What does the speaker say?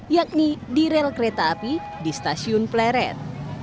yakni di rel kereta api di stasiun pleret